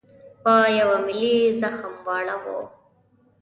په یوه ملي زخم واړاوه.